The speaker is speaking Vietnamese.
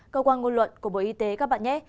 cơ quan ngôn luận của bộ y tế các bạn nhé